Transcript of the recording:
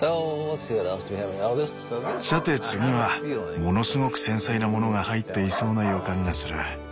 さて次はものすごく繊細なものが入っていそうな予感がする。